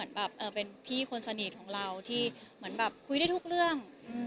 เราก็เป็นพี่คนสนิทของเราที่คุยได้ทุกเรื่อง